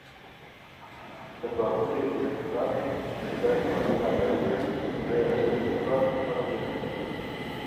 Li Bakurê Kurdistanê ji ber barîna berfê rêya şeş gundan hat girtin.